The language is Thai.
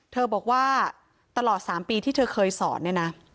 เธอบอกว่าตลอด๓ปีที่เธอเคยสอนเนี่ยนะ